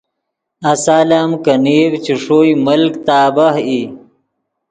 آسال ام کہ نیڤ چے ݰوئے ملک تابہہ ای